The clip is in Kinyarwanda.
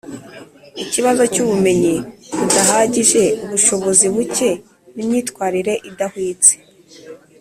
Ikibazo cy ubumenyi budahagije ubushobozi buke n imyitwarire idahwitse